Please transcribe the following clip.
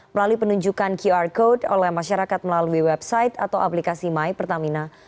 melalui penunjukan qr code oleh masyarakat melalui website atau aplikasi my pertamina